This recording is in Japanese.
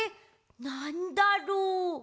なんだろう？